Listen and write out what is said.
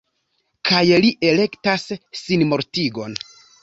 Kaj li elektas sinmortigon.